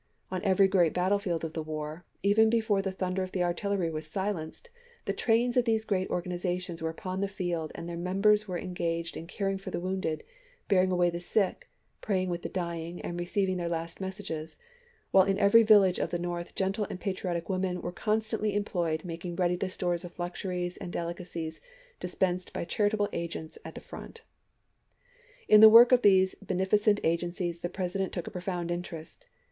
On every great battlefield of the war, even before the thunder of the artillery was silenced, the trains of these great organizations were upon the field and theii* members were en gaged caring for the wounded, bearing away the sick, praying with the dying, and receiving their last messages ; while in every village of the North gentle and patriotic women were constantly em ployed making ready the stores of luxuries and deli cacies dispensed by charitable agents at the front. In the work of these beneficent agencies the President took a profound interest.